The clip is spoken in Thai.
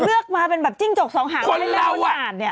เลือกมาเป็นจิ้งจกสองหางให้แม่คนอ่าน